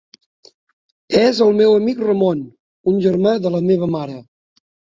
És el meu amic Ramon, un germà de la meva mare.